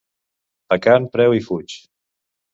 A can Preu-i-fuig.